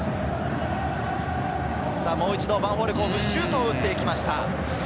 もう一度、ヴァンフォーレ甲府、シュートを打っていきました。